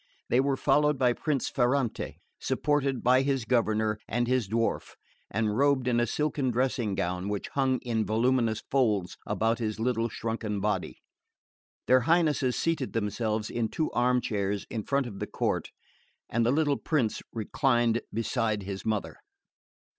They were followed by Prince Ferrante, supported by his governor and his dwarf, and robed in a silken dressing gown which hung in voluminous folds about his little shrunken body. Their Highnesses seated themselves in two armchairs in front of the court, and the little prince reclined beside his mother.